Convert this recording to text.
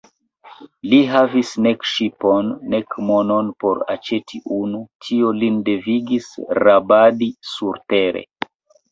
Li havis nek ŝipon, nek monon por aĉeti unu; tio lin devigis rabadi surtere.